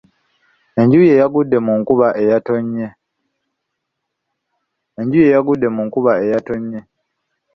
Enju ye yagudde mu nkuba eyatonnye.